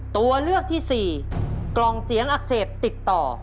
ตัวเลือกที่สี่กล่องเสียงอักเสบติดต่อ